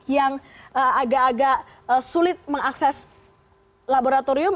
yang agak agak sulit mengakses laboratorium